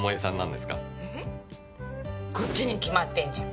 こっちに決まってんじゃん。